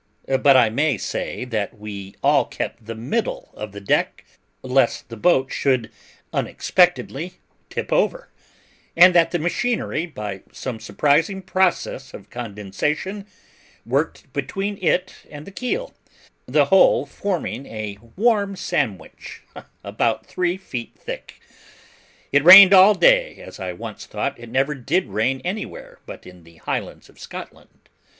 But I may state that we all kept the middle of the deck, lest the boat should unexpectedly tip over; and that the machinery, by some surprising process of condensation, worked between it and the keel: the whole forming a warm sandwich, about three feet thick. It rained all day as I once thought it never did rain anywhere, but in the Highlands of Scotland.